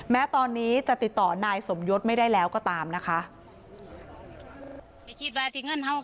แม้ตอนนี้จะติดต่อนายสมยศไม่ได้แล้วก็ตามนะคะ